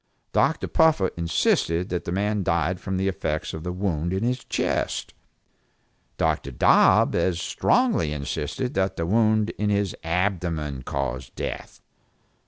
Dr. Puffer insisted that the man died from the effects of the wound in the chest. Dr. Dobb as strongly insisted that the wound in the abdomen caused death.